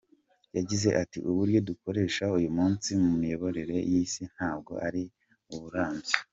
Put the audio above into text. Yagize ati “Uburyo dukoresha uyu munsi mu miyoborere y’Isi ntabwo ari uburambye.